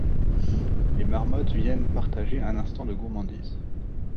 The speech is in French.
Les marmottes viennent partager un instant de gourmandise.